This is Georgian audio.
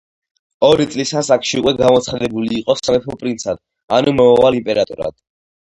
ორი წლის ასაკში უკვე გამოცხადებული იყო სამეფო პრინცად, ანუ მომავალ იმპერატორად.